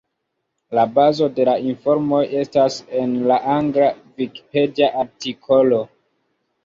La bazo de la informoj estas en la angla vikipedia artikolo.